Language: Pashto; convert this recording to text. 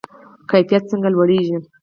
کیفیت څنګه لوړیږي؟